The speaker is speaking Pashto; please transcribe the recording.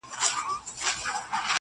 دا راته مه وايه چي تا نه منم دى نه منم~